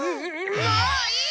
もういい！